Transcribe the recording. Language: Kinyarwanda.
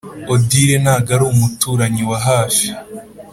odile, ntago ari umuturanyi wa hafi, .